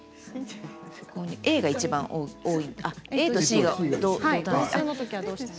ＡがいちばんＡとＣが多いんですね。